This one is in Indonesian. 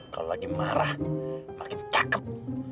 kalau lagi marah makin cakep